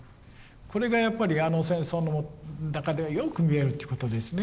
これがやっぱりあの戦争の中ではよく見えるっていうことですね。